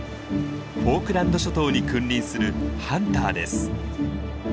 フォークランド諸島に君臨するハンターです。